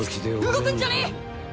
動くんじゃねえ！